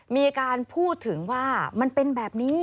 มีการพูดถึงว่ามันเป็นแบบนี้